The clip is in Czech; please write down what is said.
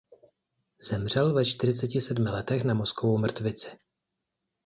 Zemřel ve čtyřiceti sedmi letech na mozkovou mrtvici.